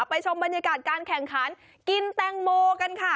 ชมบรรยากาศการแข่งขันกินแตงโมกันค่ะ